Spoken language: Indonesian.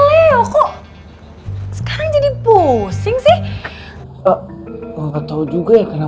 rara juga kep prestasi agai karir